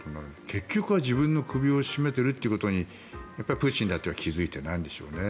結局は自分の首を絞めているということにやっぱりプーチン大統領は気付いてないんでしょうね。